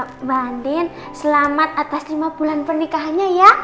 mbak andin selamat atas lima bulan pernikahannya ya